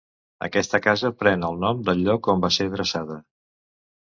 Aquesta casa pren el nom del lloc on va ser dreçada.